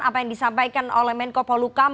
apa yang disampaikan oleh menko polukam